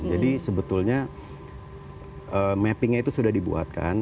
jadi sebetulnya mappingnya itu sudah dibuatkan